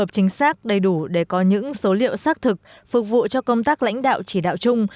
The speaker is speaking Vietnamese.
chính xác đầy đủ để có những số liệu xác thực phục vụ cho công tác lãnh đạo chỉ đạo chung